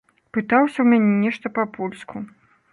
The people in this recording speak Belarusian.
Пытаўся ў мяне нешта па-польску.